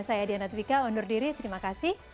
saya diana twika undur diri terima kasih